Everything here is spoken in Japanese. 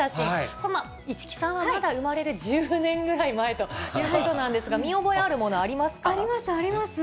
これ、市來さんはまだ生まれる１０年ぐらい前ということなんですが、あります、あります。